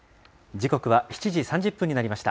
時刻は７時３０分になりました。